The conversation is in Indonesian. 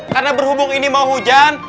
karena berhubung ini mau hujan